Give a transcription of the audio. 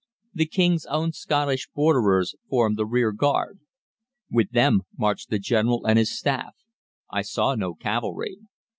The King's Own Scottish Borderers formed the rearguard. With them marched the General and his staff; I saw no cavalry.